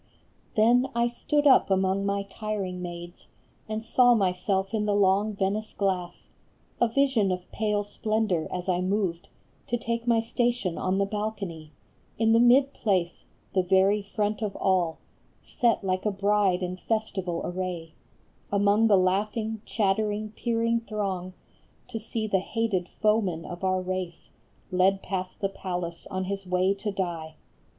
" Then I stood up among my tiring maids, And saw myself in the long Venice glass A vision of pale splendor, as I moved To take my station on the balcony, In the mid place, the very front of all, Set like a bride in festival array, Among the laughing, chattering, peering throng, To see the hated foeman of our race Led past the palace on his way to die